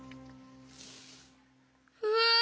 うわ！